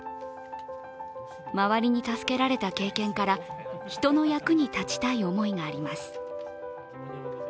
周りに助けられた経験から、人の役に立ちたい思いがあります。